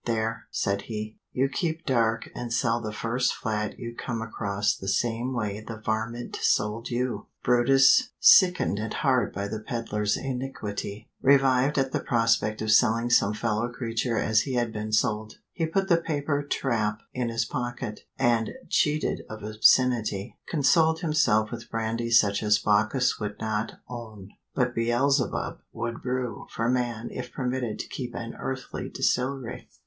"There," said he, you keep dark and sell the first flat you come across the same way the varmint sold you. brutus, sickened at heart by the peddler's iniquity, revived at the prospect of selling some fellow creature as he had been sold. He put the paper trap in his pocket; and, cheated of obscenity, consoled himself with brandy such as Bacchus would not own, but Beelzebub would brew for man if permitted to keep an earthly distillery.